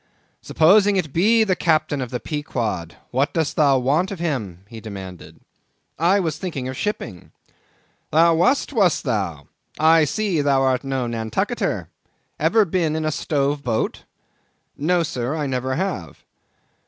"Supposing it be the captain of the Pequod, what dost thou want of him?" he demanded. "I was thinking of shipping." "Thou wast, wast thou? I see thou art no Nantucketer—ever been in a stove boat?" "No, Sir, I never have."